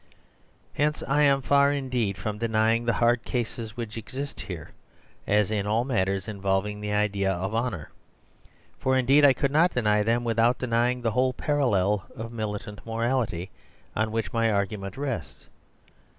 Hence I am far indeed from denying the hard cases which exist here, as in all matters involving the idea of honour. For indeed I could not deny them without denying the whole parallel of militant morality on which my argument rests.